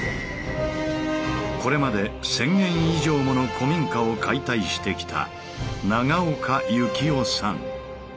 これまで１，０００軒以上もの古民家を解体してきた長岡幸雄さん。